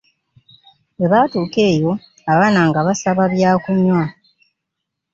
Bwe baatuukanga eyo, abaana nga basaba byakunywa.